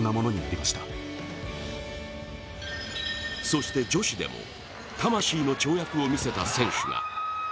そして女子でも魂の跳躍を見せた選手が。